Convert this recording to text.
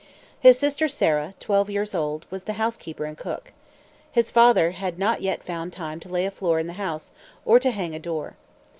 His sister Sarah, twelve years old, was the housekeeper and cook. His father had not yet found time to lay a floor in the house, or to hang a door.